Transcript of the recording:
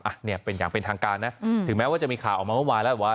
อ่ะเนี่ยเป็นอย่างเป็นทางการนะถึงแม้ว่าจะมีข่าวออกมาเมื่อวานแล้วว่า